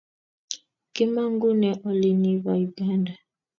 Kimangune olini pa Uganda.